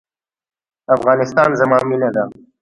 افغانستان زما مینه ده